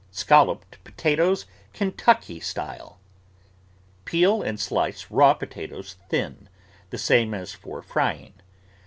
SCALLOPED POTATOES (KENTUCKY STYLE) Peel and slice raw potatoes thin, the same as for frying.